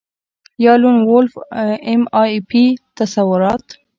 یا لون وولف ایم آی پي تصورات